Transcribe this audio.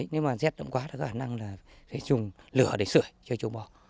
nếu mà rét đậm quá thì có khả năng là phải dùng lửa để sửa cho châu bò